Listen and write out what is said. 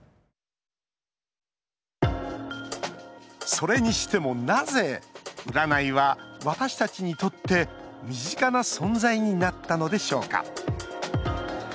それにしても、なぜ占いは私たちにとって、身近な存在になったのでしょうか